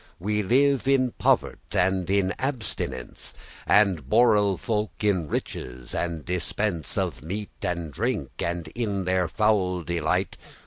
*laymen*<13> We live in povert', and in abstinence, And borel folk in riches and dispence Of meat and drink, and in their foul delight.